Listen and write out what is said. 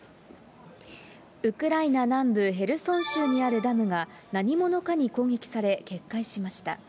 ウクライナ南部ヘルソン州にあるダムが、何者かに攻撃され、決壊しました。